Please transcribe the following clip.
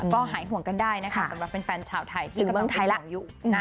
ก็หายห่วงกันได้นะคะสำหรับเป็นแฟนชาวไทยที่ถึงเมืองไทยแล้ว